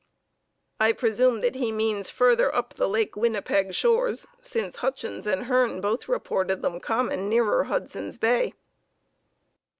I presume that he means farther up the Lake Winnipeg shores, since Hutchins and Hearne both reported them common nearer Hudson's Bay.